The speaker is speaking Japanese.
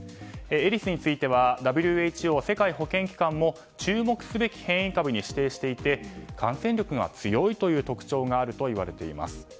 エリスについてはＷＨＯ・世界保健機関も注目すべき変異株に指定していて感染力が強いという特徴があるといわれています。